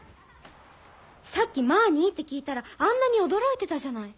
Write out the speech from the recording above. さっきマーニーって聞いたらあんなに驚いてたじゃない。